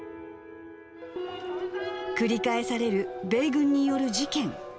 繰り返される米軍による事件。